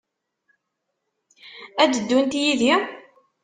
Ad d-ddunt yid-i?